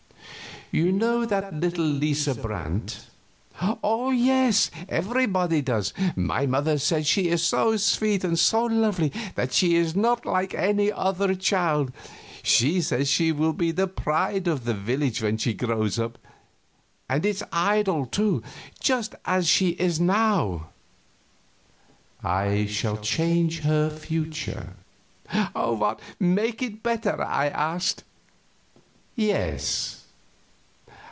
You know that little Lisa Brandt?" "Oh yes, everybody does. My mother says she is so sweet and so lovely that she is not like any other child. She says she will be the pride of the village when she grows up; and its idol, too, just as she is now." "I shall change her future." "Make it better?" I asked. "Yes.